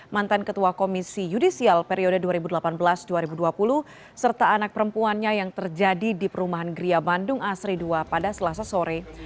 mantan ketua komisi yudisial periode dua ribu delapan belas dua ribu dua puluh serta anak perempuannya yang terjadi di perumahan gria bandung asri ii pada selasa sore